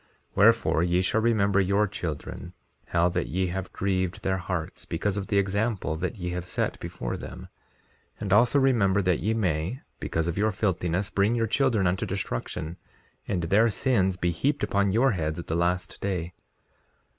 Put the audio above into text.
3:10 Wherefore, ye shall remember your children, how that ye have grieved their hearts because of the example that ye have set before them; and also, remember that ye may, because of your filthiness, bring your children unto destruction, and their sins be heaped upon your heads at the last day.